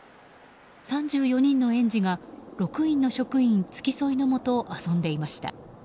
３４人の園児が６人の職員付き添いのもと遊んでいました。